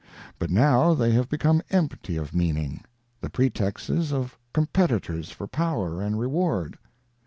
But now they have become empty of meaning, the pretexts of competitors for power and reward.